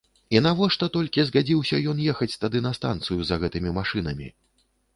І навошта толькі згадзіўся ён ехаць тады на станцыю за гэтымі машынамі.